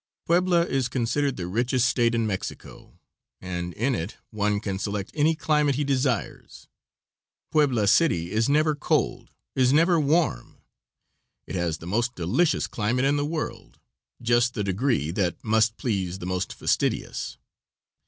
Puebla is considered the richest State in Mexico, and in it one can select any climate he desires. Puebla City is never cold, is never warm; it has the most delicious climate in the world, just the degree that must please the most fastidious.